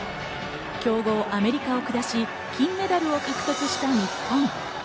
強豪・アメリカを下し、金メダルを獲得した日本。